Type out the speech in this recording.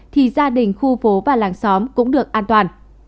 thì gia đình khu phố và làng xóm cũng được an toàn